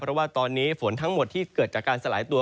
เพราะว่าตอนนี้ฝนทั้งหมดที่เกิดจากการสลายตัว